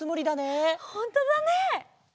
ほんとだね！